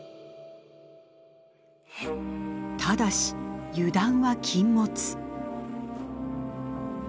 ただし油断は禁物。